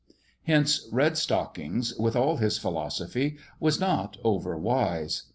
Hence, "Red stockings," with all his philosophy, was not overwise.